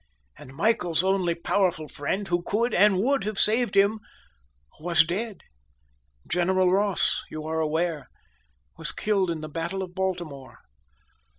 And Michael's only powerful friend, who could and would have saved him was dead. General Ross, you are aware, was killed in the battle of Baltimore."